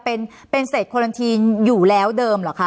เป็นเศษโครันทีนอยู่แล้วเดิมเหรอคะ